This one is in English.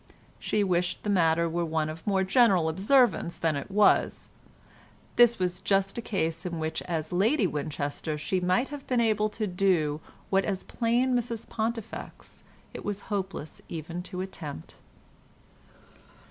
She wished the matter were one of more general observance than it was; this was just a case in which as Lady Winchester she might have been able to do what as plain Mrs Pontifex it was hopeless even to attempt.